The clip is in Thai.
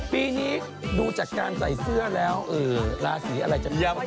ปีนี้ดูจากการใส่เสื้อแล้วราศีอะไรจะเยี่ยม